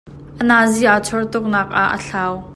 A nazi aa chor tuk nak ah a thlau.